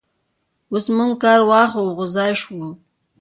اوس موږ کار واښ او غوزی شو.